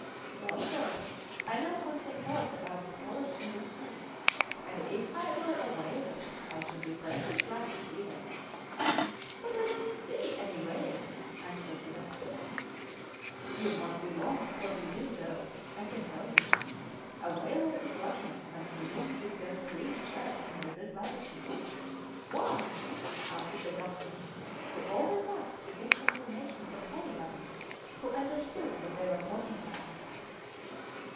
"Well, sir, I know something else about the colours in the sea, and if I were a whaler I should be precious glad to see them." "But I don't see any whales," answered the doctor. "You won't be long before you do, though, I can tell you. A whaler is lucky when he meets with those green stripes under this latitude." "Why?" asked the doctor, who always liked to get information from anybody who understood what they were talking about.